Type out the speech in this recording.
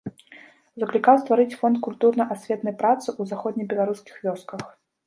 Заклікаў стварыць фонд культурна-асветнай працы ў заходнебеларускіх вёсках.